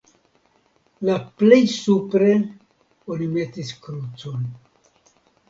La plej supre oni metis krucon.